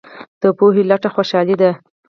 د پوهې لټه خوشحالي ده.